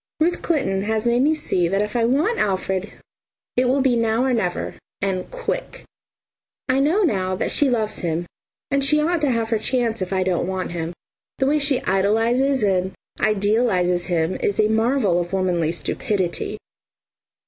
Ruth Clinton has made me see that if I want Alfred it will be now or never and quick. I know now that she loves him, and she ought to have her chance if I don't want him. The way she idolises and idealises him is a marvel of womanly stupidity.